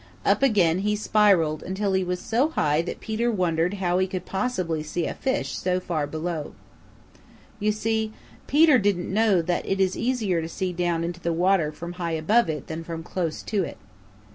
Up again he spiraled until he was so high that Peter wondered how he could possibly see a fish so far below. You see, Peter didn't know that it is easier to see down into the water from high above it than from close to it.